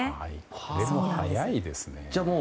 これも早いですね。